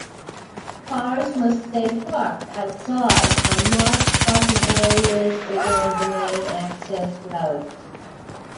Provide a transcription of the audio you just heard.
Cars must stay parked outside on marked parking areas along the main access roads.